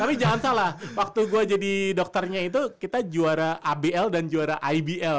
tapi jangan salah waktu gue jadi dokternya itu kita juara abl dan juara ibl